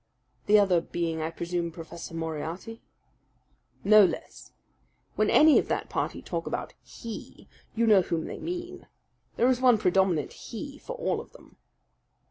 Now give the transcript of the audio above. "The other being, I presume, Professor Moriarty." "No less! When any of that party talk about 'He' you know whom they mean. There is one predominant 'He' for all of them."